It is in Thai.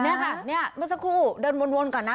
นี่ค่ะเนี่ยเมื่อสักครู่เดินวนก่อนนะ